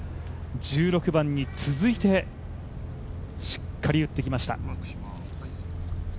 １６番に続いてしっかり打ってきました。